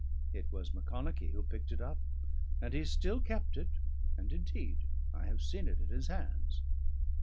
It was Macconochie who picked it up; and he still kept it, and indeed I have seen it in his hands.